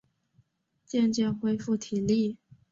渐渐恢复体力